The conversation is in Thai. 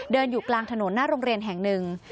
อยู่กลางถนนหน้าโรงเรียนแห่งหนึ่ง